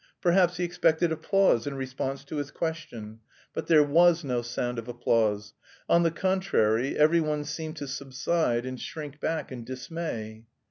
Perhaps he expected applause in response to his question, but there was no sound of applause; on the contrary, every one seemed to subside and shrink back in dismay.